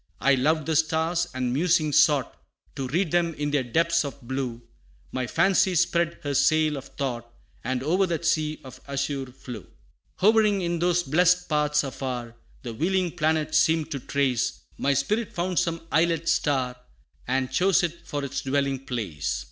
I loved the stars, and musing sought To read them in their depths of blue My fancy spread her sail of thought, And o'er that sea of azure flew. Hovering in those blest paths afar, The wheeling planets seem to trace, My spirit found some islet star, And chose it for its dwelling place.